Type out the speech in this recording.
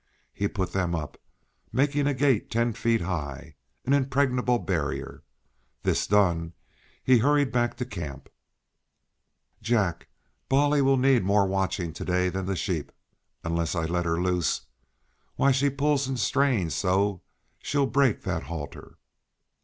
He put them up, making a gate ten feet high, an impregnable barrier. This done, he hurried back to camp. "Jack, Bolly will need more watching to day than the sheep, unless I let her loose. Why, she pulls and strains so she'll break that halter."